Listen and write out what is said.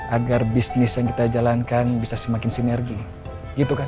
agar bisnis yang kita jalankan bisa semakin sinergi gitu kan